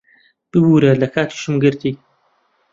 ببوورە، لە کاتیشم گرتی.